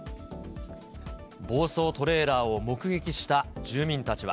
暴走トレーラーを目撃した住民たちは。